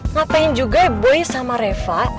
ngapain juga boy sama reva